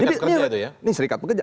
ini serikat pekerja